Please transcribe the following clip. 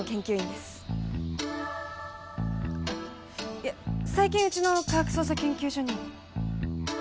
いや最近うちの科学捜査研究所に。